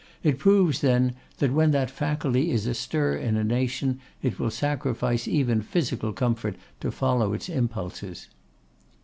It proves, then, that when that faculty is astir in a nation, it will sacrifice even physical comfort to follow its impulses.